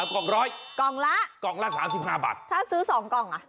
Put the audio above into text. กล่องร้อยกล่องละกล่องละ๓๕บาทถ้าซื้อสองกล่องอ่ะ